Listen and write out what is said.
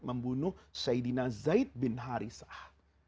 membunuh saidina zaid bin haritha